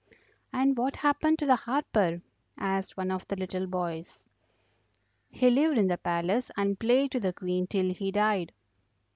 "And what happened to the harper?" asked one of the little boys. "He lived in the palace and played to the Queen till he died."